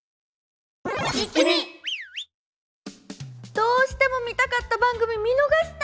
どうしても見たかった番組見逃した！